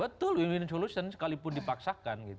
betul win win solution sekalipun dipaksakan